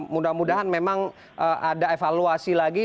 mudah mudahan memang ada evaluasi lagi